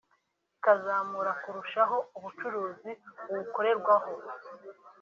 bikazamura kurushaho ubucuruzi buwukorerwaho